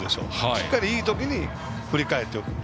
しっかり、いい時に振り返っておくと。